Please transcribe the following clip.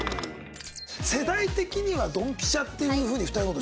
世代的にはドンピシャっていう風に２人の事。